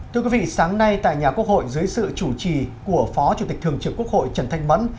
thưa quý vị sáng nay tại nhà quốc hội dưới sự chủ trì của phó chủ tịch thường trực quốc hội trần thanh mẫn